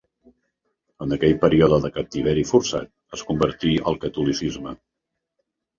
En aquell període de captiveri forçat es convertí al catolicisme.